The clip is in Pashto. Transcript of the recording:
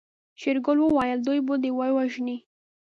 شېرګل وويل دوی به دې ووژني.